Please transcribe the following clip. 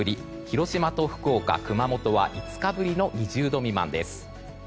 広島と福岡、熊本は５日ぶりの２０度未満です。